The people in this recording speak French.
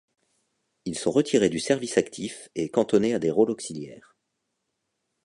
Ils sont retirés du service actif et cantonnés à des rôles auxiliaires.